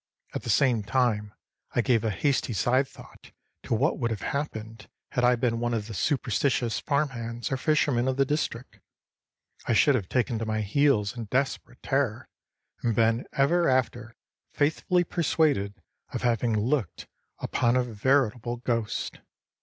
At the same time I gave a hasty side thought to what would have happened had I been one of the superstitious farmhands or fishermen of the district. I should have taken to my heels in desperate terror, and been ever after faithfully persuaded of having looked upon a veritable ghost.